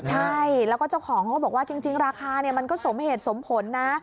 ใช่แล้วก็เจ้าของเขาก็บอกว่าจริงราคามันก็สมเหตุสมผลนะ